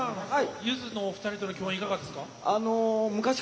ゆずのお二人との共演はいかがですか？